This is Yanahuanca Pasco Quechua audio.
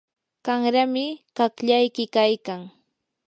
qanrami qaqllayki kaykan.